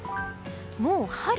もう春？